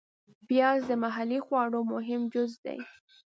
پیاز د محلي خواړو مهم جز دی